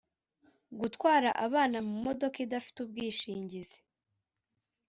Gutwara abana mu modoka idafite ubwishingizi